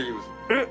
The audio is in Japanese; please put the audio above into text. えっ。